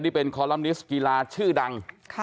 นี่เป็นคอลัมนิสต์กีฬาชื่อดัง